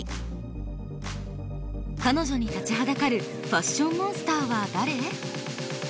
彼女に立ちはだかるファッションモンスターは誰？